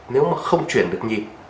nếu mà không chuyển được nhịp